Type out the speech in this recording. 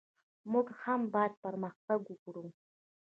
موږ هم باید پرمختګ وکړو.